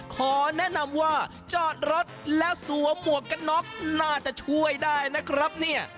ขอแนะนำว่าจอดรถแล้วสวมหมวกกันน็อกน่าจะช่วยได้นะครับเนี่ย